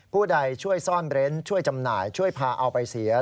ผู้ใดช่วยซ่อนเร้นช่วยจำหน่ายช่วยพาเอาไปเสีย